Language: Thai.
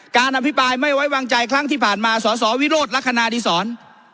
อภิปรายไม่ไว้วางใจครั้งที่ผ่านมาสสวิโรธลักษณะดีศร